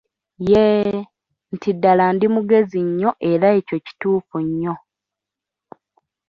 Yee, nti ddala ndi mugezi nnyo era ekyo kituufu nnyo.